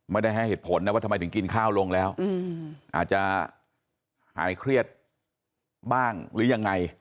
ให้เหตุผลนะว่าทำไมถึงกินข้าวลงแล้วอาจจะหายเครียดบ้างหรือยังไง